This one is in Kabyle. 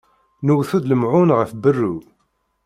Newwet-d lemɛun ɣef berru.